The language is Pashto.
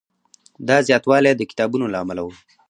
دا زیاتوالی د کتابونو له امله و.